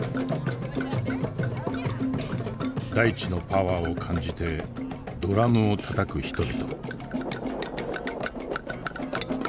大地のパワーを感じてドラムをたたく人々。